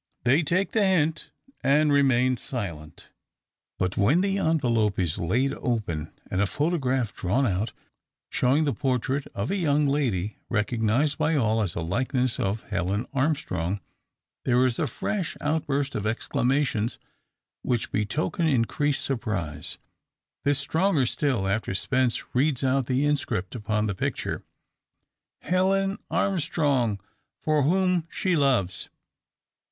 They take the hint, and remain silent. But when the envelope is laid open, and a photograph drawn out, showing the portrait of a young lady, recognised by all as a likeness of Helen Armstrong, there is a fresh outburst of exclamations which betoken increased surprise; this stronger still, after Spence reads out the inscript upon the picture: "Helen Armstrong for him she loves."